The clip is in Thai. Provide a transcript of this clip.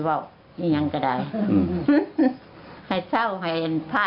เราจะได้ละ๔๕วุฒิ